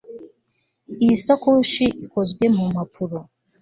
Iyi sakoshi ikozwe mu mpapuro